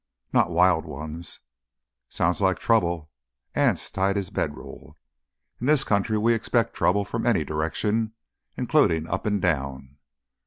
"Not wild ones." "Sounds like trouble." Anse tied his bedroll. "In this country we expect trouble, from any direction—including up and down!"